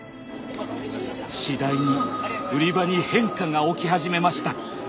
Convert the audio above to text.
次第に売り場に変化が起き始めました。